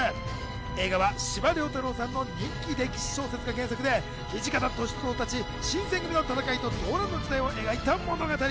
映画は司馬遼太郎さんの人気歴史小説が原作で土方歳三たち新選組の戦いと動乱の時代を描いた物語。